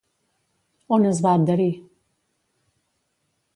On es va adherir?